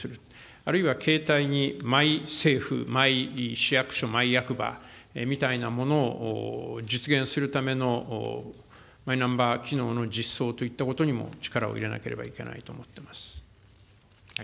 あるいは携帯にマイ政府、マイ市役所、マイ役場みたいなものを実現するためのマイナンバー機能の実相といったことにも力を入れなければいけないと思っています。